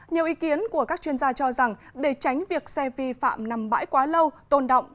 nhiều ý kiến của các chuyên gia cho rằng để tránh việc xe vi phạm nằm bãi quá lâu tồn động